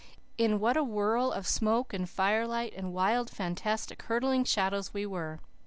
In what a whirl of smoke and firelight and wild, fantastic, hurtling shadows we were!